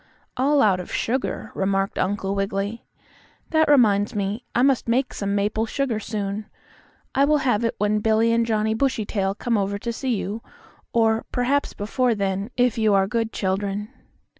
"All out of sugar," remarked Uncle Wiggily. "That reminds me, I must make some maple sugar soon. I will have it when Billie and Johnnie Bushytail come over to see you; or, perhaps before then, if you are good children."